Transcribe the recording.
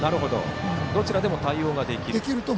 どちらでも対応ができると。